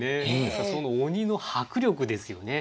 その鬼の迫力ですよね。